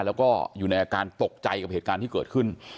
แล้วก็อยู่ในอาการตกใจกับเหตุการณ์ที่เกิดขึ้น